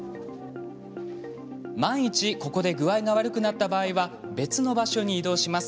万一、ここで具合が悪くなった場合は別の場所に移動します。